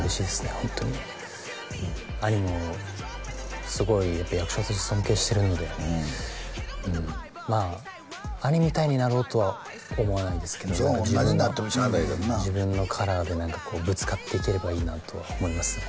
ホントに兄もすごい役者として尊敬してるのでうんまあ兄みたいになろうとは思わないですけど同じになってもしゃあないもんな自分のカラーでぶつかっていければいいなと思いますね